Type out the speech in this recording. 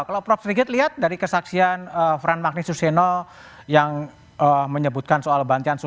kalau prof sigit lihat dari kesaksian fran magnituseno yang menyebutkan soal bantuan sosial